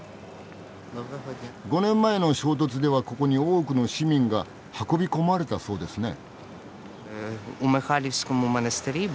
５年前の衝突ではここに多くの市民が運び込まれたそうですね？